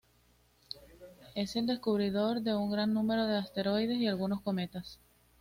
Es el descubridor de un gran número de asteroides y algunos cometas.